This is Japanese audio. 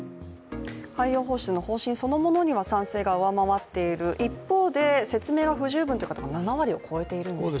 海洋放出そのものには賛成が上回っている、説明が不十分という方が７割を超えているんですね。